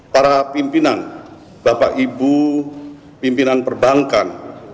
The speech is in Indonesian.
para pimpinan bapak ibu pimpinan perbankan